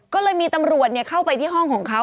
ก็เลยมีตำรวจเข้าไปที่ห้องของเขา